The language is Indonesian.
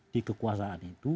di kekuasaan itu